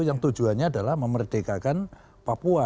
yang tujuannya adalah memerdekakan papua